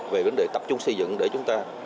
về vấn đề tập trung xây dựng để chúng ta